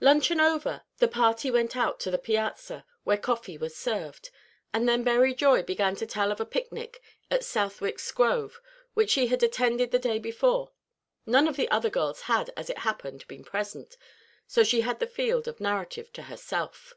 Luncheon over, the party went out to the piazza, where coffee was served; and then Berry Joy began to tell of a picnic at Southwick's grove which she had attended the day before. None of the other girls had, as it happened, been present; so she had the field of narrative to herself.